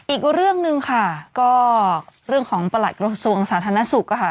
อีกเรื่องหนึ่งค่ะก็เรื่องของประหลัดกระทรวงสาธารณสุขอะค่ะ